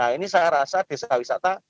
ini saya rasa desa wisata